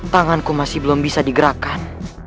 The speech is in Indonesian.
tanganku masih belum bisa digerakkan